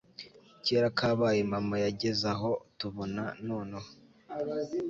Kera kabaye mama yagezaho tubona noneho